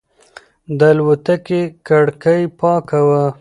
د الوتکې کړکۍ پاکه وه.